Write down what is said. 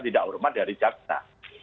tidak hormat dari capta